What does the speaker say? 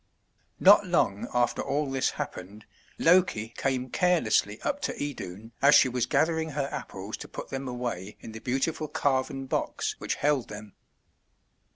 Not long after all this happened, Loki came carelessly up to Idun as she was gathering her Apples to put them away in the beautiful carven box which held them.